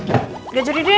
engga jadi deh